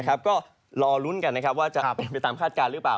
ก็รอรุ้นกันนะครับว่าจะไปตามคาดการณ์หรือเปล่า